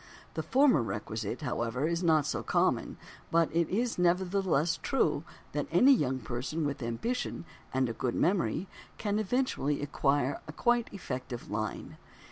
The former requisite, however, is not so common, but it is nevertheless true that any young person with ambition and a good memory can eventually acquire a quite effective "Line."